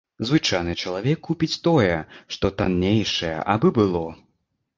Звычайны чалавек купіць тое, што таннейшае, абы было.